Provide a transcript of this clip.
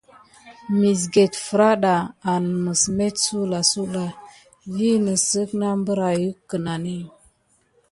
Məsget fraɗa en məs met suwlasuwla vi nisikeho berayuck kenani.